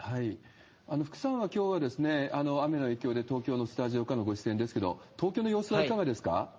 福さんは、きょうは雨の影響で東京のスタジオからのご出演ですけど、東京の様子はいかがですか？